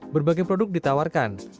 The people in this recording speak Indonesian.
berbagai produk ditawarkan